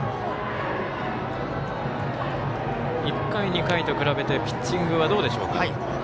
１回、２回と比べてピッチングはどうでしょうか。